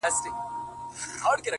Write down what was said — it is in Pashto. کومه ورځ چي تاته زه ښېرا کوم؛